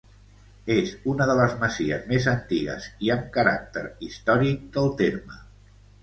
És una de les masies més antigues i amb caràcter històric del terme.